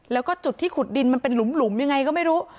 แล้วก็จุดที่ขุดดินมันเป็นหลุมยังไงก็ไม่รู้